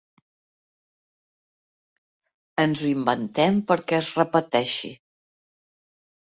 Ens ho inventem perquè es repeteixi.